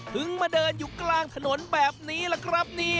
ถึงมาเดินอยู่กลางถนนแบบนี้ล่ะครับนี่